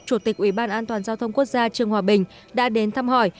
chủ tịch ủy ban an toàn giao thông quốc gia trường hòa bình đã đến thăm hỏi